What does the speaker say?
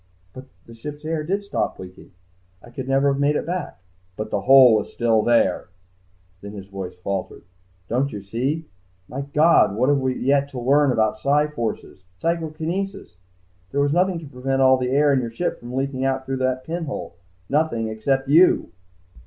"But the ship's air did stop leaking. I could never have made it back...." "But the hole was still there!" Then his voice faltered. "Don't you see? My God, what we have yet to learn about psi forces, psychokinesis.... There was nothing to prevent all the air in your ship from leaking out through that pinhole, nothing except you."